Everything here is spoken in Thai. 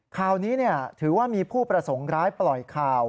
ข่าวนี้ถือว่ามีผู้ประสงค์ร้ายปล่อยข่าว